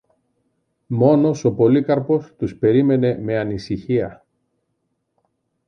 Μόνος ο Πολύκαρπος τους περίμενε με ανησυχία